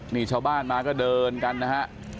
นี่ชาวบ้านมาก็เดินกันนะฮะ